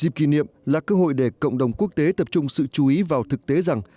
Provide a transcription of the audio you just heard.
dịp kỷ niệm là cơ hội để cộng đồng quốc tế tập trung sự chú ý vào thực tế rằng